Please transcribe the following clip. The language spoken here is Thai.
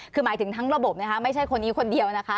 คือหมายถึงทั้งระบบไม่ใช่คนนี้คนเดียว